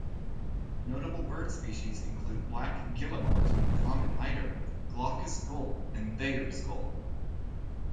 Notable bird species include black guillemot, common eider, glaucous gull, and Thayer's gull.